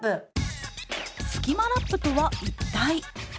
「スキマラップ」とは一体？